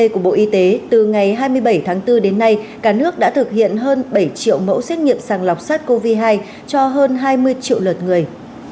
cả nước đã thực hiện hơn bảy triệu mẫu xét nghiệm sàng lọc sát covid một mươi chín cho hơn hai mươi triệu lượt người